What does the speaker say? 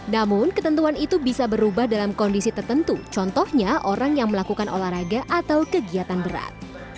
namun ketentuan itu bisa berubah dalam kondisi tertentu contohnya orang yang melakukan olahraga atau kegiatan berat